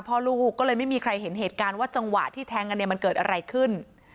พ่อลูกก็เลยไม่มีใครเห็นเหตุการณ์ว่าจังหวะที่แทงกันเนี่ยมันเกิดอะไรขึ้น